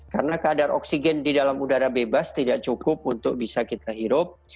karena kadar oksigen di dalam udara bebas tidak cukup untuk bisa kita hirup